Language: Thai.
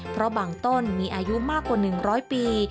เพราะบางต้นมีอายุมากกว่า๑๐๐ปี